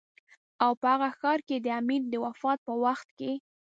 او په هغه ښار کې د امیر د وفات په وخت کې.